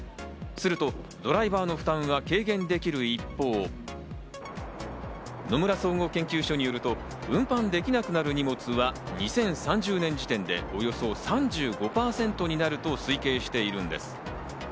するとドライバーの負担は軽減できる一方、野村総合研究所によると、運搬できなくなる荷物は２０３０年時点でおよそ３５％になると推計しているんです。